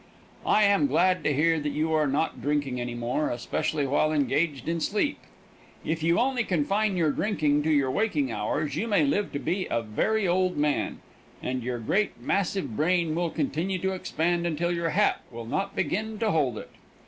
I am glad to hear that you are not drinking any more, especially while engaged in sleep. If you only confine your drinking to your waking hours, you may live to be a very old man, and your great, massive brain will continue to expand until your hat will not begin to hold it.